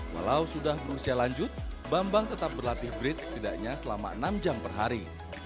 walau sudah berusia lanjut bambang tetap berlatih bridge setidaknya selama enam jam per hari